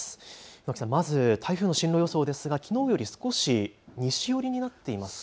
船木さん、まず台風の進路予想ですがきのうより少し西寄りになっていますか。